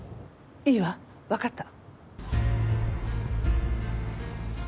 いいわわかった。